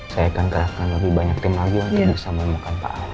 saya akan kerahkan lebih banyak tim lagu untuk bisa menemukan pak ahok